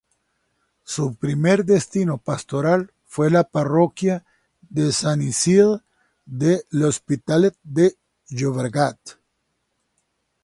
Su primer destino pastoral fue la parroquia de Sant Isidre de l'Hospitalet de Llobregat.